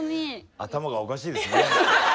頭がおかしいですね。